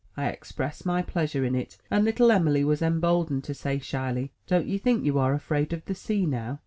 I expressed my pleasure in it, and little Em'ly was em boldened to say, shyly: "Don't you think you are afraid of the sea, now?"